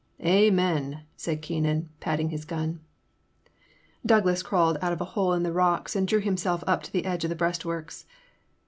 '' Amen/' said Keenan, patting his gun. Douglas crawled out of a hole in the rocks and drew himself up to the edge of the breastworks.